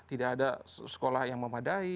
tidak ada sekolah yang memadai